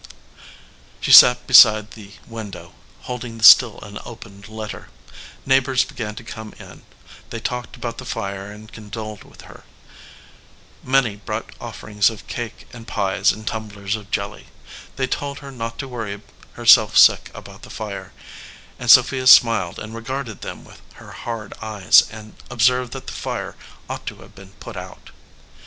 She sat beside the window, holding the still unopened letter. Neighbors began to come in. They talked about the fire and condoled with her. Many brought offerings of cake and pies and tumblers of jelly. They told her not to worry herself sick about the fire, and Sophia smiled and regarded them with her hard eyes, and observed that the fire ought to have been put out.